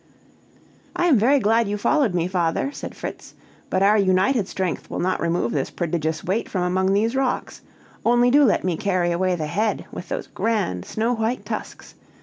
"I am very glad you followed me, father," said Fritz; "but our united strength will not remove this prodigious weight from among these rocks; only do let me carry away the head, with these grand, snow white tusks!